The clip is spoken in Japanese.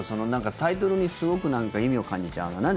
タイトルにすごく意味を感じちゃうな。